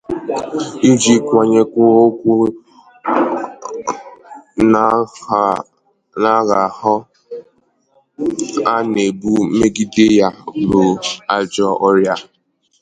iji kwanyekwuo ọkụ n'agha ahụ a na-ebu megide ya bụ ajọ ọrịa